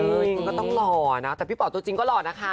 คุณก็ต้องหล่อนะแต่พี่ป๋อตัวจริงก็หล่อนะคะ